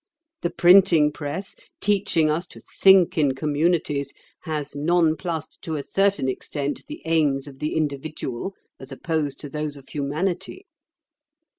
The printing press, teaching us to think in communities, has nonplussed to a certain extent the aims of the individual as opposed to those of humanity.